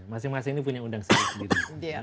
masing masing ini punya undang sendiri